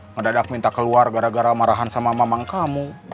mendadak minta keluar gara gara marahan sama mamang kamu